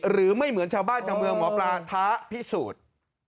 หรือไม่เหมือนชาวบ้านชาวเมืองหมอปลาท้าพิสูจน์